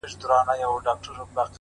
بریا له کوچنیو عادتونو جوړیږي،